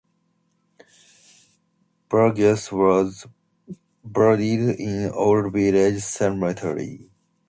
Burgess was buried in Old Village Cemetery.